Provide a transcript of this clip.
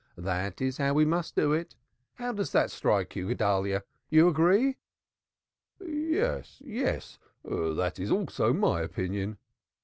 That is how we must do it. How does that strike you, Guedalyah. You agree?" "Yes, yes. That is also my opinion."